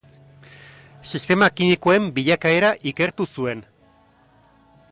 Sistema kimikoen bilakaera ikertu zuen.